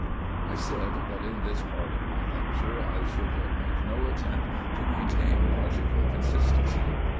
I said that in this part of my lecture I should make no attempt to maintain logical consistency.